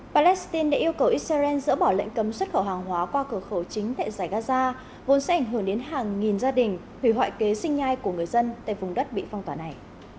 palestine đã yêu cầu israel dỡ bỏ lệnh cấm xuất khẩu hàng hóa qua cửa khẩu chính tại giải gaza vốn sẽ ảnh hưởng đến hàng nghìn gia đình hủy hoại kế sinh nhai của người dân tại vùng đất bị phong tỏa này